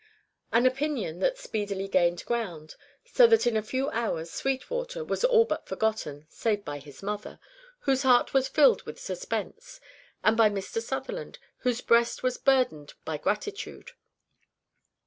An opinion that speedily gained ground, so that in a few hours Sweetwater was all but forgotten, save by his mother, whose heart was filled with suspense, and by Mr. Sutherland, whose breast was burdened by gratitude.